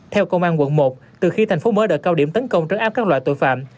theo công an quận một từ khi thành phố mở đợt cao điểm tấn công trấn áp các loại tội phạm